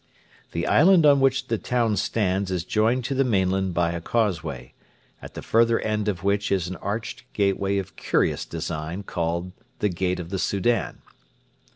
The island on which the town stands is joined to the mainland by a causeway, at the further end of which is an arched gateway of curious design called 'the Gate of the Soudan.'